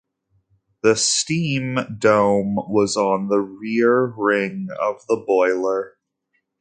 The steam dome was on the rear ring of the boiler.